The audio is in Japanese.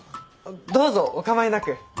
どうぞお構いなく。